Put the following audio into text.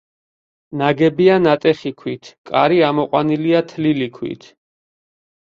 ნაგებია ნატეხი ქვით, კარი ამოყვანილია თლილი ქვით.